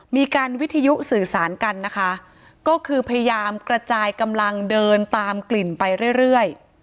มีการวิทยุสื่อสารกันนะคะก็คือพยายามกระจายกำลังเดินตามกลิ่นไปเรื่อย